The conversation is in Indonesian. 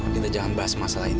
kita jangan bahas masalah ini